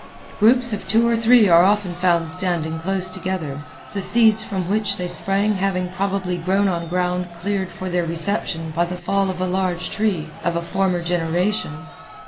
Groups of two or three are often found standing close together, the seeds from which they sprang having probably grown on ground cleared for their reception by the fall of a large tree of a former generation.